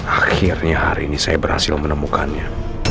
akhirnya hari ini saya berhasil menemukannya